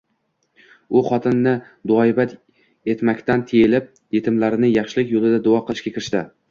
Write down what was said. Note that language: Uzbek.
u xotinni duoibad etmakdan tiyilib, yetimlarini yaxshilik yo'lida duo qilishga kirishdi.